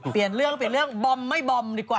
เปลี่ยนเรื่องบอมไม่บอมดีกว่านะฮะ